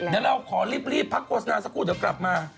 เดี๋ยวเราขอรีบพักโฆษณาสักครู่เดี๋ยวกลับมา